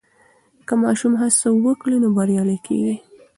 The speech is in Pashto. که ماشوم هڅه وکړي نو بریالی کېږي.